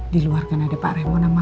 diluarkan ada pak remo nama mel